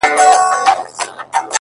o د پلټني سندرماره شـاپـيـرۍ يــارانــو؛